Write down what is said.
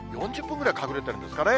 ４０分ぐらい隠れてるんですかね。